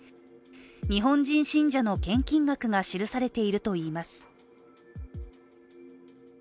日本人信者の献金額が記されているといいます。